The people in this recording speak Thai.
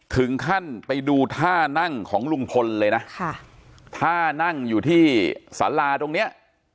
ถึงขั้นไปดูท่านั่งของลุงพลเลยนะค่ะท่านั่งอยู่ที่สาราตรงเนี้ย